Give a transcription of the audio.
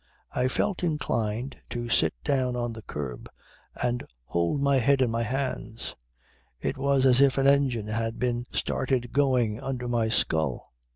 I felt inclined to sit down on the kerb and hold my head in my hands. It was as if an engine had been started going under my skull.